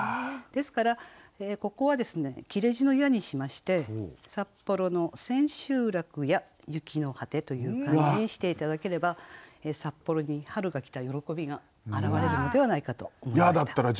ですからここは切れ字の「や」にしまして「札幌の千秋楽や雪の果」という感じにして頂ければ札幌に春が来た喜びが表れるのではないかと思いました。